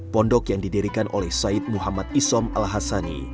pondok yang didirikan oleh said muhammad isom al hasani